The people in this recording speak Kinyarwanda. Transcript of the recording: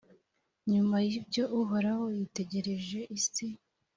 Nyuma y’ibyo Uhoraho yitegereje isi,